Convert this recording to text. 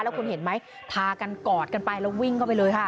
คุณเห็นไหมพากันกอดกันไปแล้ววิ่งเข้าไปเลยค่ะ